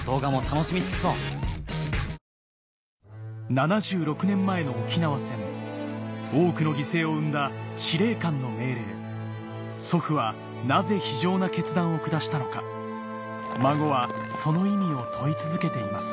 ７６年前の沖縄戦多くの犠牲を生んだ司令官の命令祖父はなぜ非情な決断を下したのか孫はその意味を問い続けています